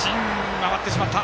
回ってしまった！